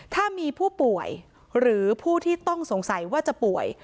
ถ้ามีผู้ป่วยหรือผู้ที่ต้องสงสัยว่าจะป่วย